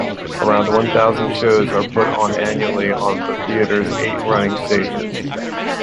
Around one thousand shows are put on annually on the theatre's eight running stages.